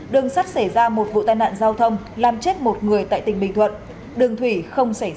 đường sát xảy ra một vụ tai nạn giao thông làm chết một người tại tỉnh bình thuận đường thủy không xảy ra tai nạn